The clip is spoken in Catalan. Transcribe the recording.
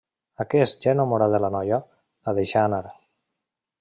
Aquest ja enamorat de la noia, la deixa anar.